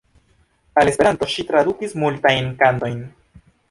Al Esperanto ŝi tradukis multajn kantojn.